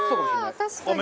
確かに。